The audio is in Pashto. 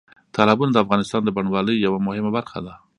تالابونه د افغانستان د بڼوالۍ یوه مهمه برخه ده.